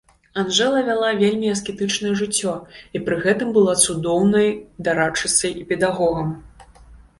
Анжэла вяла вельмі аскетычнае жыццё і пры гэтым была цудоўнай дарадчыцай і педагогам.